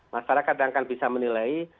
masyarakat yang akan bisa menilai